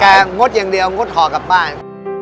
งดอย่างเดียวงดห่อกลับบ้าน